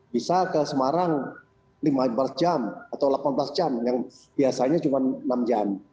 bisa ke semarang lima belas jam atau delapan belas jam yang biasanya cuma enam jam